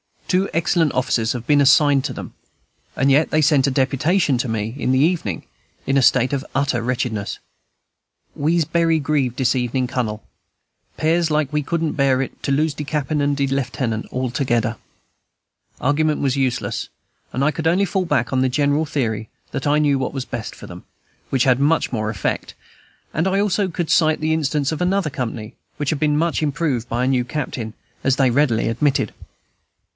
Two excellent officers have been assigned to them; and yet they sent a deputation to me in the evening, in a state of utter wretchedness. "We's bery grieved dis evening, Cunnel; 'pears like we couldn't bear it, to lose de Cap'n and de Lieutenant, all two togeder." Argument was useless; and I could only fall back on the general theory, that I knew what was best for them, which had much more effect; and I also could cite the instance of another company, which had been much improved by a new captain, as they readily admitted.